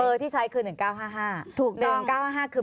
เบอร์ที่ใช้คือ๑๙๕๕